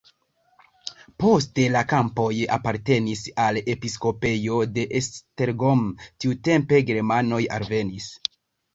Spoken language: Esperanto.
Poste la kampoj apartenis al episkopejo de Esztergom, tiutempe germanoj alvenis.